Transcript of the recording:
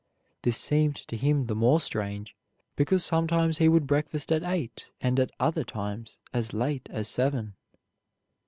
This seemed to him the more strange because sometimes he would breakfast at eight and at other times as late as eleven.